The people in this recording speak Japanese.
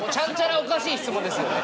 おかしい質問ですよね。